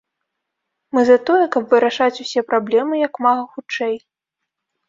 Мы за тое, каб вырашаць усе праблемы як мага хутчэй.